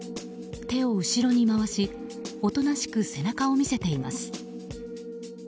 手を後ろに回しおとなしく背中を見せています。